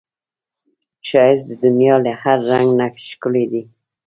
ښایست د دنیا له هر رنګ نه ښکلی دی